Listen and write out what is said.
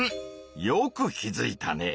よく気づいたね。